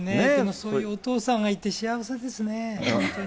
そういうお父さんがいて幸せですね、本当に。